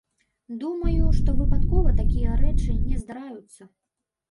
Думаю, што выпадкова такія рэчы не здараюцца.